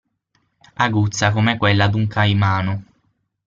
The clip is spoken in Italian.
Aguzza come quella d'un caimano.